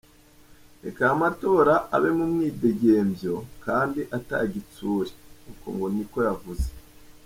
Reka aya amatora abe mu mwidegemvyo kandi ata gitsure," uko ngo ni ko yavuza.